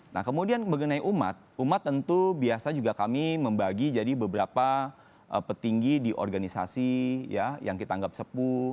nah kemudian mengenai umat umat tentu biasa juga kami membagi jadi beberapa petinggi di organisasi yang kita anggap sepuh